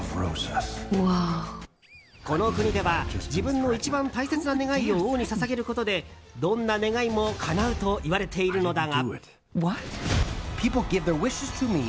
この国では自分の一番大切な願いを王に捧げることでどんな願いもかなうといわれているのだが。